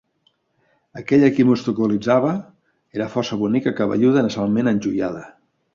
Aquella qui m'obstaculitzava era força bonica, cabelluda, nasalment enjoiada.